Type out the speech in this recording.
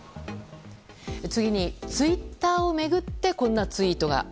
次に、ツイッターを巡ってこんなツイートが。